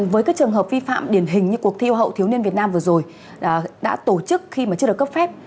với các trường hợp vi phạm điển hình như cuộc thi hậu thiếu niên việt nam vừa rồi đã tổ chức khi mà chưa được cấp phép